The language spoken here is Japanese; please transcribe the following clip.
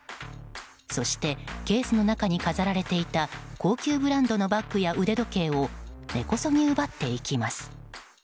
そしてケースの中に飾られていた高級ブランドのバッグや腕時計など根こそぎ奪っていきます。